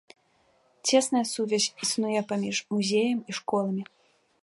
Цесная сувязь існуе паміж музеем і школамі.